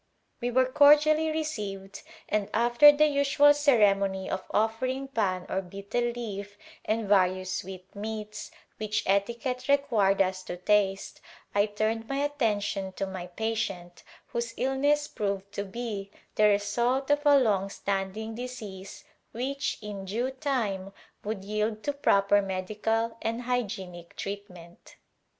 We were cordially received and after the usual ceremony of offering pan or betel leaf and various sweetmeats, which etiquette required us to taste, I turned my attention to my patient, whose illness proved to be the result of a long standing disease which, in due time, would yield to proper medical and hygienic treatment.